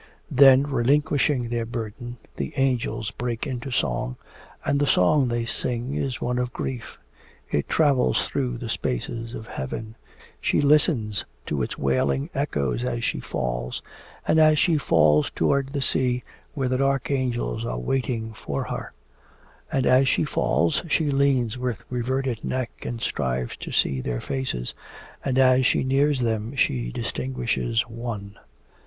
Then relinquishing their burden, the angels break into song, and the song they sing is one of grief; it travels through the spaces of heaven; she listens to its wailing echoes as she falls as she falls towards the sea where the dark angels are waiting for her; and as she falls she leans with reverted neck and strives to see their faces, and as she nears them she distinguishes one.